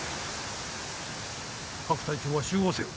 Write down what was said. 各隊長は集合せよ。